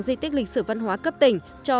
di tích lịch sử văn hóa cấp tỉnh cho